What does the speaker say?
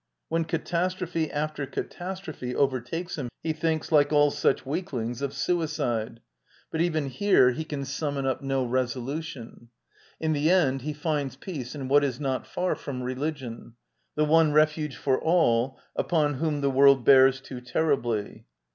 When catastrophe after catastrophe overtakes him he thinks, like all such weaklings, of suicide, but even here he can sum xvi d by Google ^ INTRODUCTION mon up no resolution. I n^the end ^ H<* finjy IKW^ '" what is not far frop i ''pIisP"" — the one refuge for air upon whom the world bears too terribly.